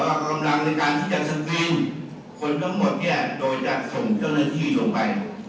กำลังในการที่จะสกรีนคนทั้งหมดเนี่ยโดยจะส่งเจ้าหน้าที่ลงไป